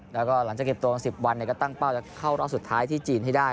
แล้วก็หลังจากเก็บตัว๑๐วันก็ตั้งเป้าจะเข้ารอบสุดท้ายที่จีนให้ได้